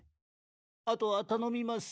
あとはたのみます。